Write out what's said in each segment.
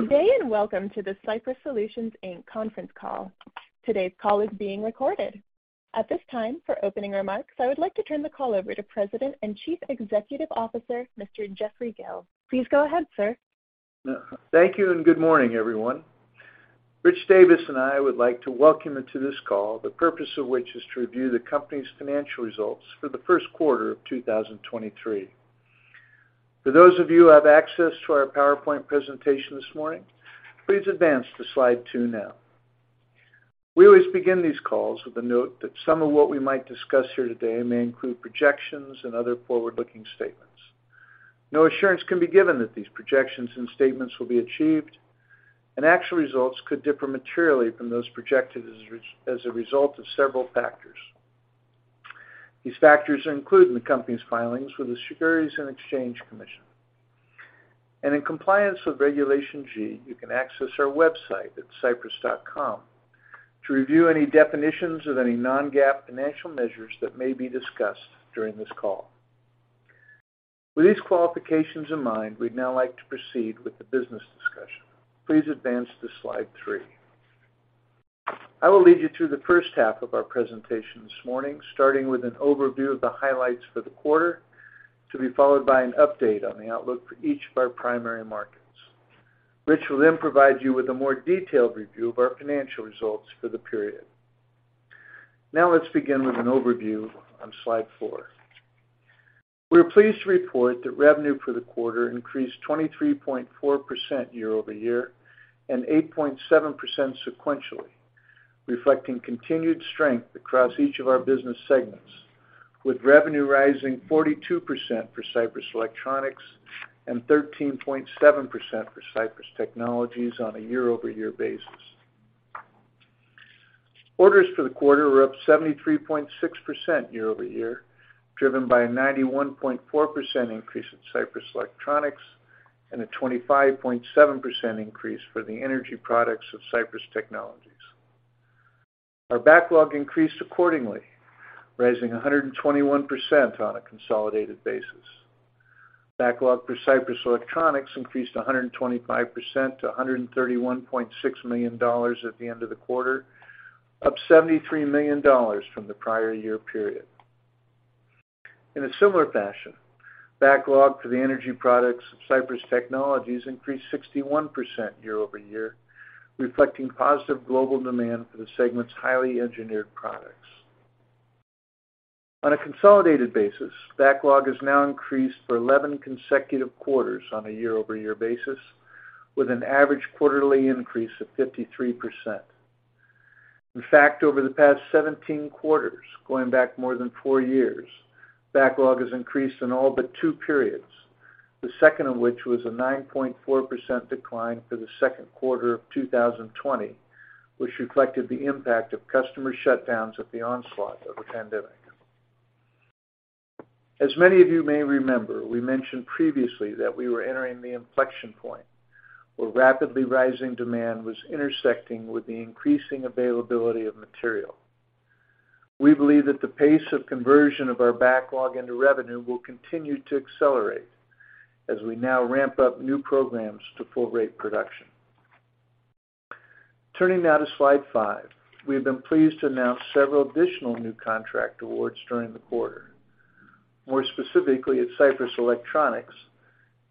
Good day. Welcome to the Sypris Solutions, Inc. conference call. Today's call is being recorded. At this time, for opening remarks, I would like to turn the call over to President and Chief Executive Officer, Mr. Jeffrey Gill. Please go ahead, sir. Thank you. Good morning, everyone. Rich Davis and I would like to welcome you to this call, the purpose of which is to review the company's financial results for the first quarter of 2023. For those of you who have access to our presentation this morning, please advance to slide 2 now. We always begin these calls with a note that some of what we might discuss here today may include projections and other forward-looking statements. No assurance can be given that these projections and statements will be achieved, actual results could differ materially from those projected as a result of several factors. These factors are included in the company's filings with the Securities and Exchange Commission. In compliance with Regulation G, you can access our website at sypris.com to review any definitions of any non-GAAP financial measures that may be discussed during this call. With these qualifications in mind, we'd now like to proceed with the business discussion. Please advance to slide 3. I will lead you through the first half of our presentation this morning, starting with an overview of the highlights for the quarter, to be followed by an update on the outlook for each of our primary markets. Rich will then provide you with a more detailed review of our financial results for the period. Let's begin with an overview on slide 4. We're pleased to report that revenue for the quarter increased 23.4% year-over-year and 8.7% sequentially, reflecting continued strength across each of our business segments, with revenue rising 42% for Sypris Electronics and 13.7% for Sypris Technologies on a year-over-year basis. Orders for the quarter were up 73.6% year-over-year, driven by a 91.4% increase at Sypris Electronics and a 25.7% increase for the energy products of Sypris Technologies. Our backlog increased accordingly, rising 121% on a consolidated basis. Backlog for Sypris Electronics increased 125% to $131.6 million at the end of the quarter, up $73 million from the prior year period. In a similar fashion, backlog for the energy products of Sypris Technologies increased 61% year-over-year, reflecting positive global demand for the segment's highly engineered products. On a consolidated basis, backlog has now increased for 11 consecutive quarters on a year-over-year basis, with an average quarterly increase of 53%. Over the past 17 quarters, going back more than four years, backlog has increased in all but two periods, the second of which was a 9.4% decline for the second quarter of 2020, which reflected the impact of customer shutdowns at the onslaught of the pandemic. As many of you may remember, we mentioned previously that we were entering the inflection point where rapidly rising demand was intersecting with the increasing availability of material. We believe that the pace of conversion of our backlog into revenue will continue to accelerate as we now ramp up new programs to full rate production. Turning now to slide five. We have been pleased to announce several additional new contract awards during the quarter. More specifically, at Sypris Electronics,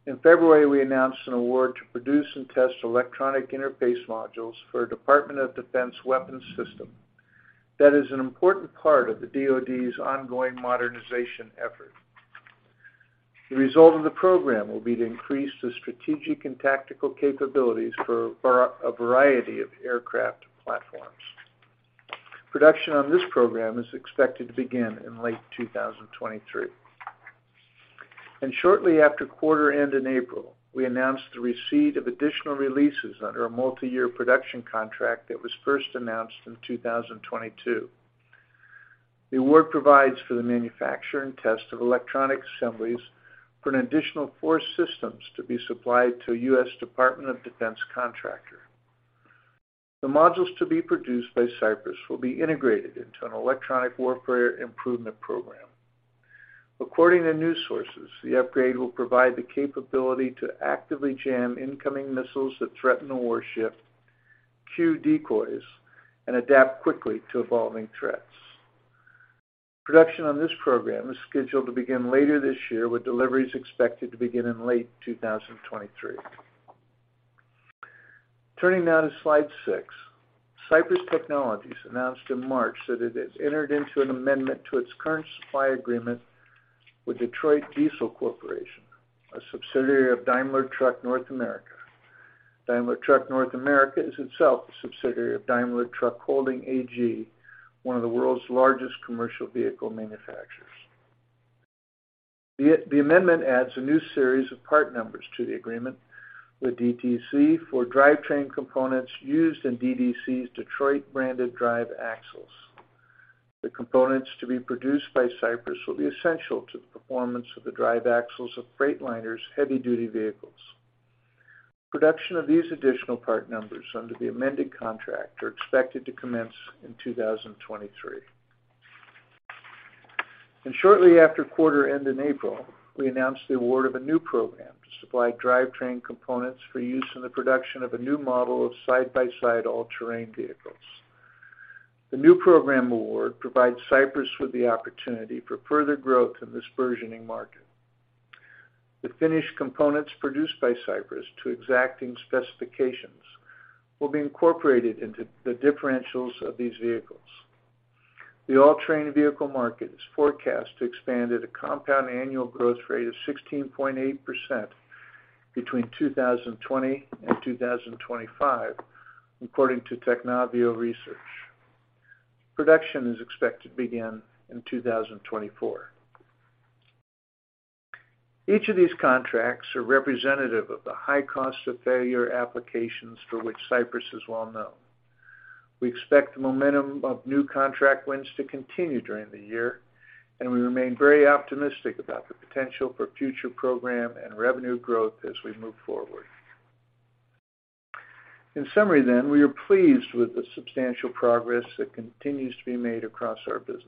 in February, we announced an award to produce and test electronic interface modules for a Department of Defense weapons system that is an important part of the DoD's ongoing modernization effort. The result of the program will be to increase the strategic and tactical capabilities for a variety of aircraft platforms. Production on this program is expected to begin in late 2023. Shortly after quarter end in April, we announced the receipt of additional releases under a multi-year production contract that was first announced in 2022. The award provides for the manufacture and test of electronic assemblies for an additional 4 systems to be supplied to a U.S. Department of Defense contractor. The modules to be produced by Sypris will be integrated into an electronic warfare improvement program. According to news sources, the upgrade will provide the capability to actively jam incoming missiles that threaten a warship, cue decoys, and adapt quickly to evolving threats. Production on this program is scheduled to begin later this year, with deliveries expected to begin in late 2023. Turning now to slide 6. Sypris Technologies announced in March that it has entered into an amendment to its current supply agreement with Detroit Diesel Corporation, a subsidiary of Daimler Truck North America. Daimler Truck North America is itself a subsidiary of Daimler Truck Holding AG, one of the world's largest commercial vehicle manufacturers. The amendment adds a new series of part numbers to the agreement with DTC for drivetrain components used in DDC's Detroit-branded drive axles. The components to be produced by Sypris will be essential to the performance of the drive axles of Freightliner's heavy-duty vehicles. Production of these additional part numbers under the amended contract are expected to commence in 2023. Shortly after quarter end in April, we announced the award of a new program to supply drivetrain components for use in the production of a new model of side-by-side all-terrain vehicles. The new program award provides Sypris with the opportunity for further growth in this burgeoning market. The finished components produced by Sypris to exacting specifications will be incorporated into the differentials of these vehicles. The all-terrain vehicle market is forecast to expand at a compound annual growth rate of 16.8% between 2020 and 2025, according to Technavio. Production is expected to begin in 2024. Each of these contracts are representative of the high cost of failure applications for which Sypris is well known. We expect the momentum of new contract wins to continue during the year. We remain very optimistic about the potential for future program and revenue growth as we move forward. In summary, we are pleased with the substantial progress that continues to be made across our business.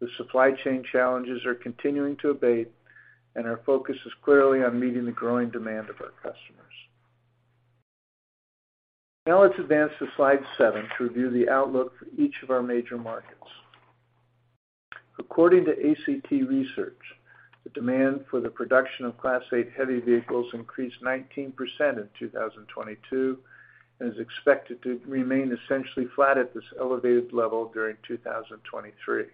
The supply chain challenges are continuing to abate. Our focus is clearly on meeting the growing demand of our customers. Let's advance to slide 7 to review the outlook for each of our major markets. According to ACT Research, the demand for the production of Class 8 heavy vehicles increased 19% in 2022 and is expected to remain essentially flat at this elevated level during 2023.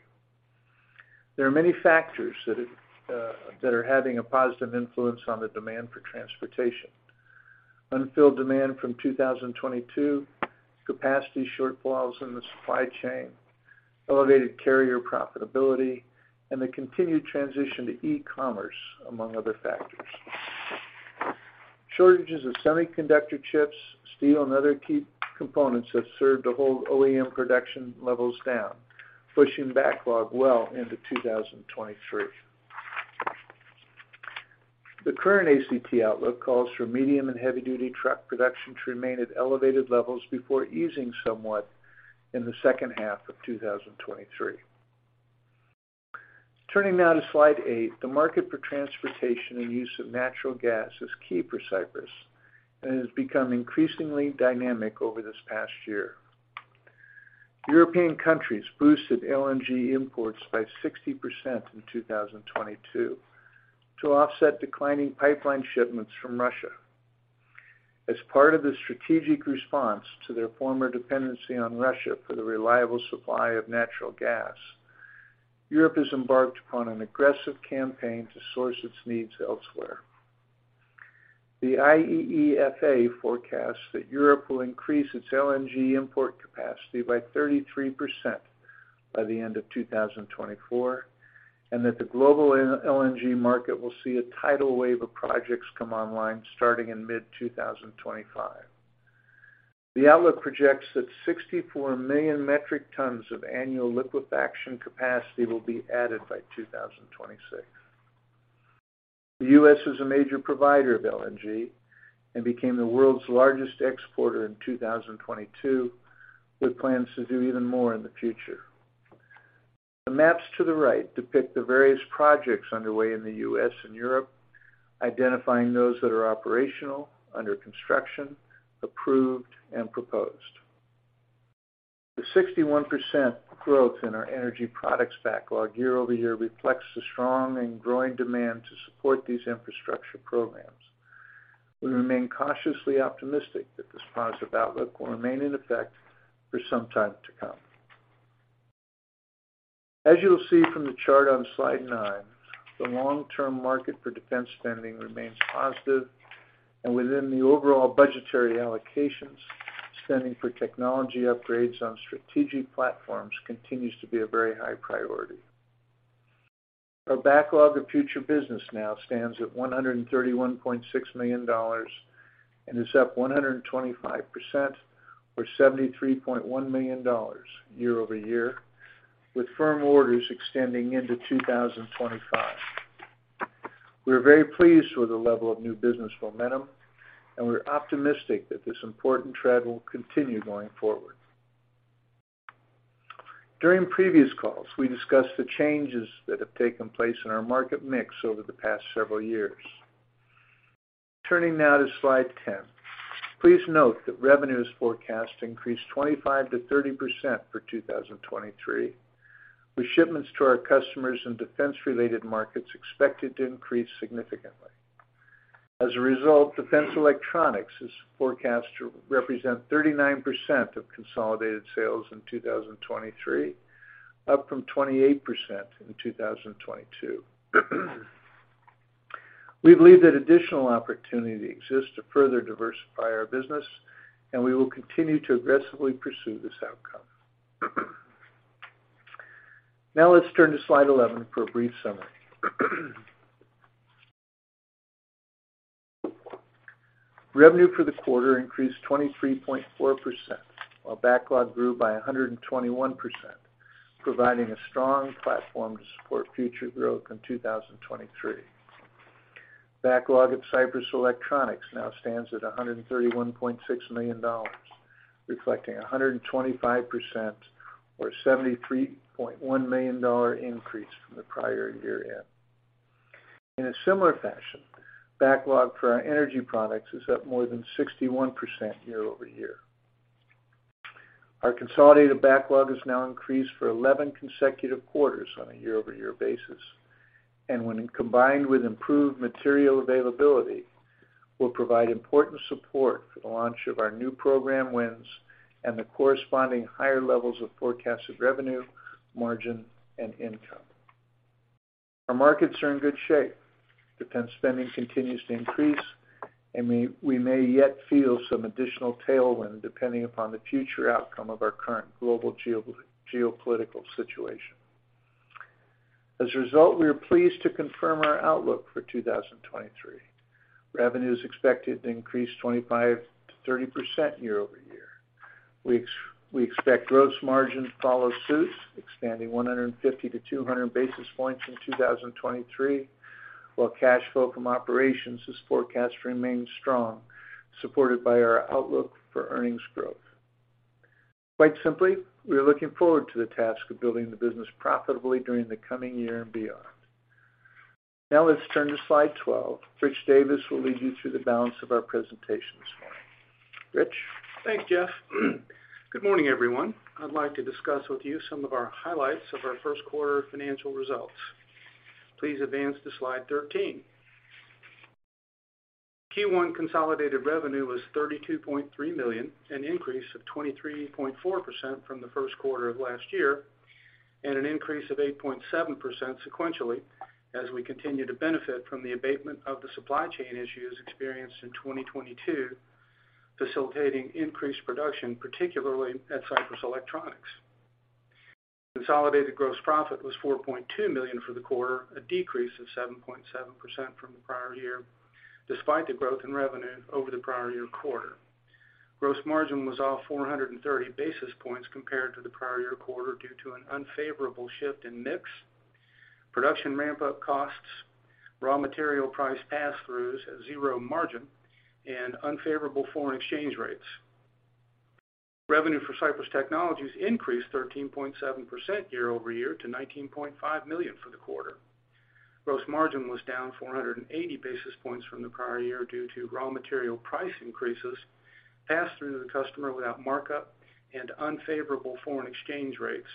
There are many factors that are having a positive influence on the demand for transportation. Unfilled demand from 2022, capacity shortfalls in the supply chain, elevated carrier profitability, and the continued transition to e-commerce, among other factors. Shortages of semiconductor chips, steel, and other key components have served to hold OEM production levels down, pushing backlog well into 2023. The current ACT outlook calls for medium and heavy duty truck production to remain at elevated levels before easing somewhat in the second half of 2023. Turning now to slide 8, the market for transportation and use of natural gas is key for Sypris and has become increasingly dynamic over this past year. European countries boosted LNG imports by 60% in 2022 to offset declining pipeline shipments from Russia. As part of the strategic response to their former dependency on Russia for the reliable supply of natural gas, Europe has embarked upon an aggressive campaign to source its needs elsewhere. The IEEFA forecasts that Europe will increase its LNG import capacity by 33% by the end of 2024, and that the global LNG market will see a tidal wave of projects come online starting in mid-2025. The outlook projects that 64 million metric tons of annual liquefaction capacity will be added by 2026. The U.S. is a major provider of LNG and became the world's largest exporter in 2022, with plans to do even more in the future. The maps to the right depict the various projects underway in the U.S. and Europe, identifying those that are operational, under construction, approved, and proposed. The 61% growth in our energy products backlog year-over-year reflects the strong and growing demand to support these infrastructure programs. We remain cautiously optimistic that this positive outlook will remain in effect for some time to come. As you'll see from the chart on slide 9, the long-term market for defense spending remains positive, and within the overall budgetary allocations, spending for technology upgrades on strategic platforms continues to be a very high priority. Our backlog of future business now stands at $131.6 million and is up 125% or $73.1 million year-over-year, with firm orders extending into 2025. We are very pleased with the level of new business momentum. We're optimistic that this important trend will continue going forward. During previous calls, we discussed the changes that have taken place in our market mix over the past several years. Turning now to slide 10, please note that revenue is forecast to increase 25%-30% for 2023, with shipments to our customers in defense-related markets expected to increase significantly. As a result, defense electronics is forecast to represent 39% of consolidated sales in 2023, up from 28% in 2022. We believe that additional opportunity exists to further diversify our business, we will continue to aggressively pursue this outcome. Let's turn to slide 11 for a brief summary. Revenue for the quarter increased 23.4%, while backlog grew by 121%, providing a strong platform to support future growth in 2023. Backlog at Sypris Electronics now stands at $131.6 million, reflecting a 125% or $73.1 million increase from the prior year-end. In a similar fashion, backlog for our energy products is up more than 61% year-over-year. Our consolidated backlog has now increased for 11 consecutive quarters on a year-over-year basis. When combined with improved material availability, will provide important support for the launch of our new program wins and the corresponding higher levels of forecasted revenue, margin, and income. Our markets are in good shape. Defense spending continues to increase. We may yet feel some additional tailwind depending upon the future outcome of our current global geopolitical situation. As a result, we are pleased to confirm our outlook for 2023. Revenue is expected to increase 25%-30% year-over-year. We expect gross margin to follow suits, expanding 150-200 basis points in 2023, while cash flow from operations is forecast to remain strong, supported by our outlook for earnings growth. Quite simply, we are looking forward to the task of building the business profitably during the coming year and beyond. Let's turn to slide 12. Rich Davis will lead you through the balance of our presentation this morning. Rich? Thanks, Jeff. Good morning, everyone. I'd like to discuss with you some of our highlights of our first quarter financial results. Please advance to slide 13. Q1 consolidated revenue was $32.3 million, an increase of 23.4% from the first quarter of last year, and an increase of 8.7% sequentially as we continue to benefit from the abatement of the supply chain issues experienced in 2022, facilitating increased production, particularly at Sypris Electronics. Consolidated gross profit was $4.2 million for the quarter, a decrease of 7.7% from the prior year, despite the growth in revenue over the prior year quarter. Gross margin was off 430 basis points compared to the prior year quarter due to an unfavorable shift in mix, production ramp-up costs, raw material price passthroughs at zero margin, and unfavorable foreign exchange rates. Revenue for Sypris Technologies increased 13.7% year-over-year to $19.5 million for the quarter. Gross margin was down 480 basis points from the prior year due to raw material price increases passed through to the customer without markup and unfavorable foreign exchange rates.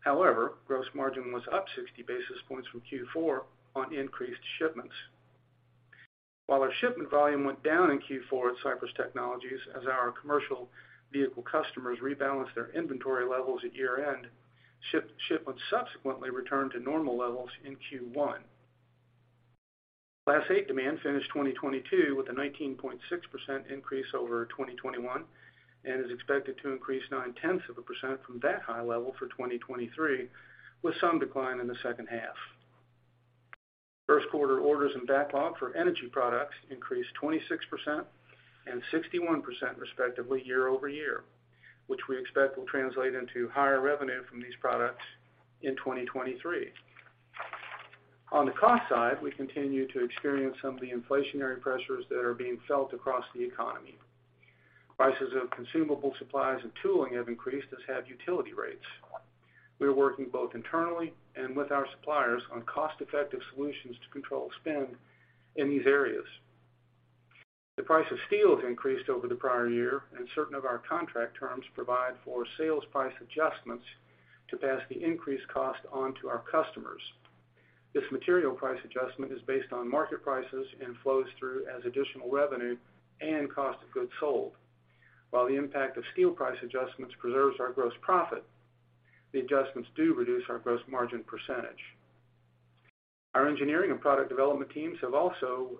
However, gross margin was up 60 basis points from Q4 on increased shipments. While our shipment volume went down in Q4 at Sypris Technologies as our commercial vehicle customers rebalanced their inventory levels at year-end, shipments subsequently returned to normal levels in Q1. Class 8 demand finished 2022 with a 19.6% increase over 2021 and is expected to increase 0.9% from that high level for 2023, with some decline in the second half. First quarter orders and backlog for energy products increased 26% and 61%, respectively, year-over-year, which we expect will translate into higher revenue from these products in 2023. The cost side, we continue to experience some of the inflationary pressures that are being felt across the economy. Prices of consumable supplies and tooling have increased, as have utility rates. We are working both internally and with our suppliers on cost-effective solutions to control spend in these areas. The price of steel has increased over the prior year, and certain of our contract terms provide for sales price adjustments to pass the increased cost on to our customers. This material price adjustment is based on market prices and flows through as additional revenue and cost of goods sold. While the impact of steel price adjustments preserves our gross profit, the adjustments do reduce our gross margin %. Our engineering and product development teams have also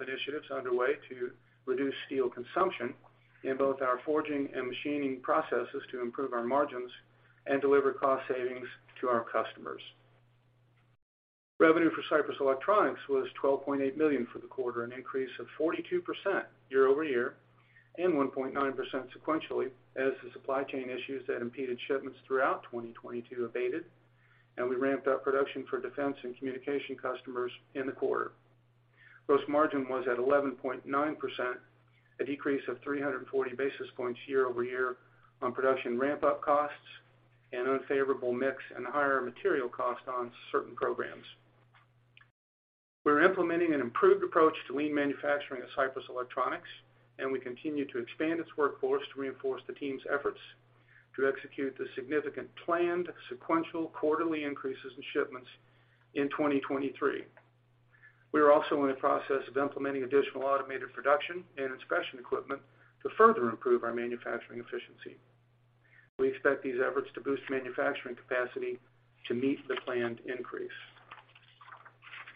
initiatives underway to reduce steel consumption in both our forging and machining processes to improve our margins and deliver cost savings to our customers. Revenue for Sypris Electronics was $12.8 million for the quarter, an increase of 42% year-over-year and 1.9% sequentially, as the supply chain issues that impeded shipments throughout 2022 abated. We ramped up production for defense and communication customers in the quarter. Gross margin was at 11.9%, a decrease of 340 basis points year-over-year on production ramp-up costs and unfavorable mix and higher material cost on certain programs. We're implementing an improved approach to lean manufacturing at Sypris Electronics. We continue to expand its workforce to reinforce the team's efforts to execute the significant planned sequential quarterly increases in shipments in 2023. We are also in the process of implementing additional automated production and inspection equipment to further improve our manufacturing efficiency. We expect these efforts to boost manufacturing capacity to meet the planned increase.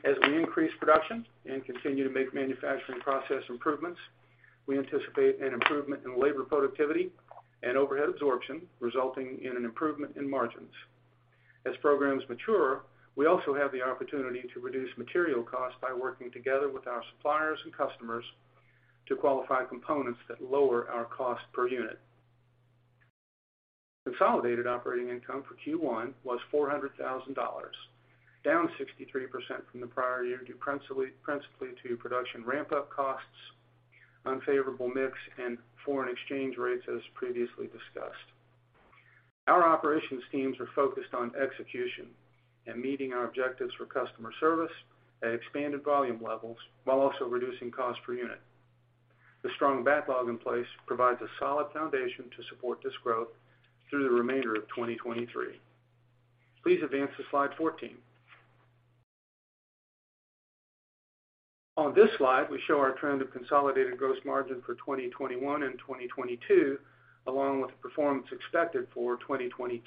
As we increase production and continue to make manufacturing process improvements, we anticipate an improvement in labor productivity and overhead absorption, resulting in an improvement in margins. As programs mature, we also have the opportunity to reduce material costs by working together with our suppliers and customers to qualify components that lower our cost per unit. Consolidated operating income for Q1 was $400,000, down 63% from the prior year, due principally to production ramp-up costs, unfavorable mix, and foreign exchange rates, as previously discussed. Our operations teams are focused on execution and meeting our objectives for customer service at expanded volume levels while also reducing cost per unit. The strong backlog in place provides a solid foundation to support this growth through the remainder of 2023. Please advance to slide 14. On this slide, we show our trend of consolidated gross margin for 2021 and 2022, along with the performance expected for 2023.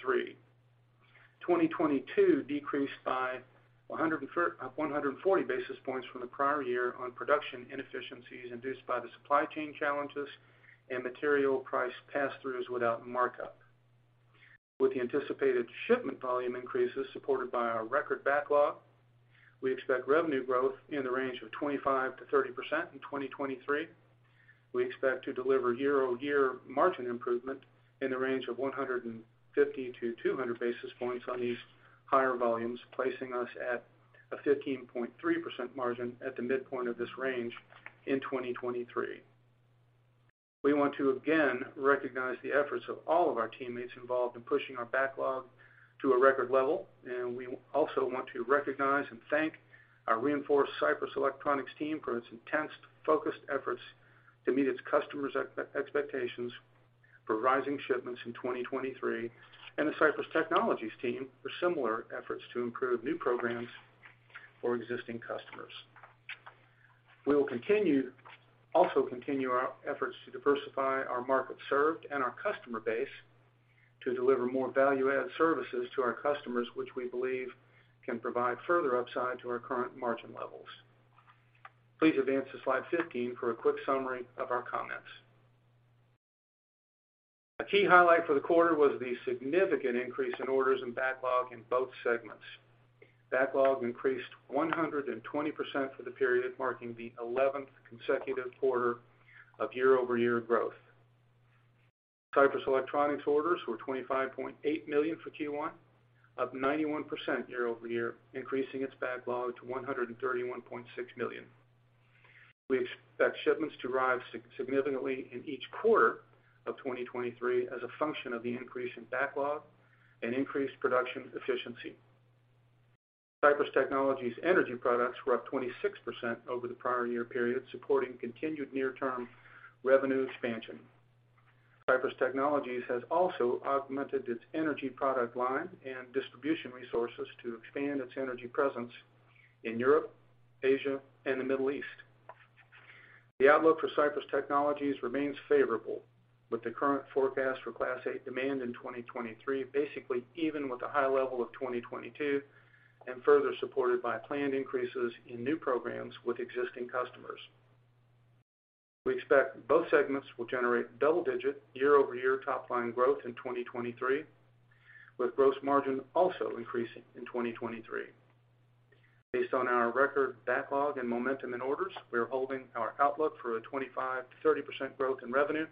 2022 decreased by 140 basis points from the prior year on production inefficiencies induced by the supply chain challenges and material price pass-throughs without markup. With the anticipated shipment volume increases supported by our record backlog, we expect revenue growth in the range of 25%-30% in 2023. We expect to deliver year-over-year margin improvement in the range of 150-200 basis points on these higher volumes, placing us at a 15.3% margin at the midpoint of this range in 2023. We want to, again, recognize the efforts of all of our teammates involved in pushing our backlog to a record level. We also want to recognize and thank our reinforced Sypris Electronics team for its intense focused efforts to meet its customers expectations for rising shipments in 2023, and the Sypris Technologies team for similar efforts to improve new programs for existing customers. We will also continue our efforts to diversify our market served and our customer base to deliver more value-added services to our customers, which we believe can provide further upside to our current margin levels. Please advance to slide 15 for a quick summary of our comments. A key highlight for the quarter was the significant increase in orders and backlog in both segments. Backlog increased 120% for the period, marking the 11th consecutive quarter of year-over-year growth. Sypris Electronics orders were $25.8 million for Q1, up 91% year-over-year, increasing its backlog to $131.6 million. We expect shipments to rise significantly in each quarter of 2023 as a function of the increase in backlog and increased production efficiency. Sypris Technologies energy products were up 26% over the prior year period, supporting continued near-term revenue expansion. Sypris Technologies has also augmented its energy product line and distribution resources to expand its energy presence in Europe, Asia, and the Middle East. The outlook for Sypris Technologies remains favorable, with the current forecast for Class 8 demand in 2023, basically even with a high level of 2022, and further supported by planned increases in new programs with existing customers. We expect both segments will generate double-digit year-over-year top line growth in 2023, with gross margin also increasing in 2023. Based on our record backlog and momentum in orders, we are holding our outlook for a 25%-30% growth in revenue.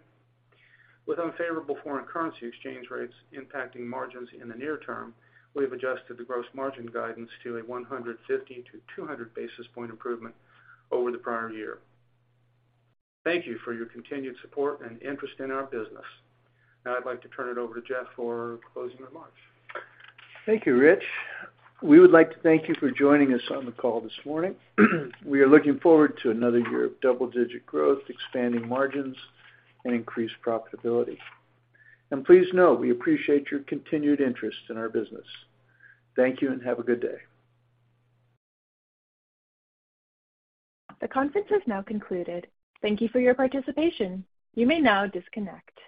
With unfavorable foreign currency exchange rates impacting margins in the near term, we have adjusted the gross margin guidance to a 150 to 200 basis point improvement over the prior year. Thank you for your continued support and interest in our business. I'd like to turn it over to Jeff for closing remarks. Thank you, Rich. We would like to thank you for joining us on the call this morning. We are looking forward to another year of double-digit growth, expanding margins, and increased profitability. Please know we appreciate your continued interest in our business. Thank you, and have a good day. The conference has now concluded. Thank Thank you for your participation. You may now disconnect.